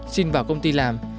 xin vào công ty làm